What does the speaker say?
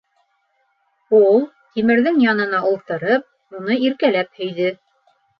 Ул, Тимерҙең янына ултырып, уны иркәләп һөйҙө.